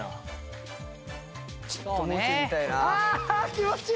気持ちいい！